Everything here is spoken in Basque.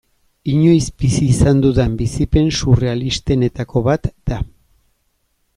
Inoiz bizi izan dudan bizipen surrealistenetako bat da.